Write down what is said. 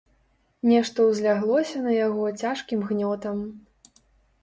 Нешта ўзляглося на яго цяжкім гнётам.